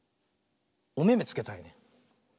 おめめつけたいね。